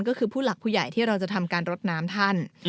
ก็คือผู้หลักผู้ใหญ่ที่เราจะทำการรดน้ำท่าน